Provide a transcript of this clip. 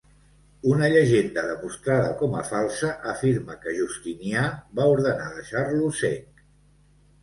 Una llegenda, demostrada com a falsa, afirma que Justinià va ordenar deixar-lo cec.